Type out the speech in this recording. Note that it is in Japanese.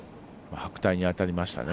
白帯に当たりましたね。